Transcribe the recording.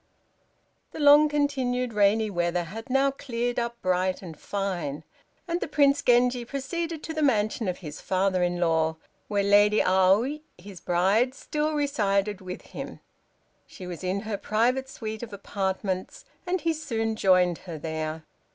The long continued rainy weather had now cleared up bright and fine, and the Prince Genji proceeded to the mansion of his father in law, where Lady Aoi, his bride, still resided with him. She was in her private suite of apartments, and he soon joined her there.